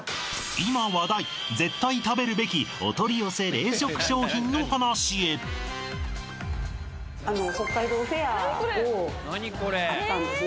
今話題絶対食べるべきお取り寄せ冷食商品の話へあの北海道フェアをあったんですね